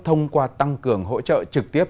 thông qua tăng cường hỗ trợ trực tiếp